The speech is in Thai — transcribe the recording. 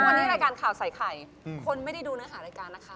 วันนี้รายการข่าวใส่ไข่คนไม่ได้ดูเนื้อหารายการนะคะ